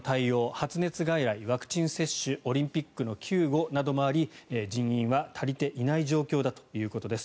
発熱外来、ワクチン接種オリンピックの救護などもあり人員は足りていない状況だということです。